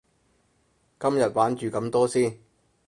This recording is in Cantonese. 今日玩住咁多先